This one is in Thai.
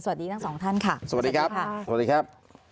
สวัสดีทั้งสองท่านค่ะสวัสดีครับ